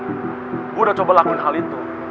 aku udah coba lakuin hal itu